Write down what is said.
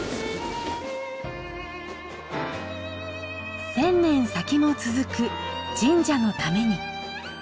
１０００年先も続く神社のために。